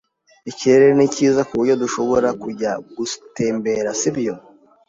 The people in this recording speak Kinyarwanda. Ikirere ni cyiza, ku buryo dushobora kujya gutembera, si byo?